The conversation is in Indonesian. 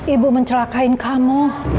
ibu mencelakain kamu